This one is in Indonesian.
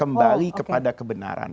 kembali kepada kebenaran